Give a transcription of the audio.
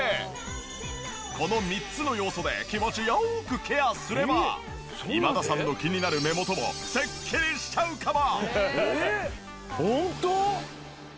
この３つの要素で気持ち良くケアすれば今田さんの気になる目元もスッキリしちゃうかも！？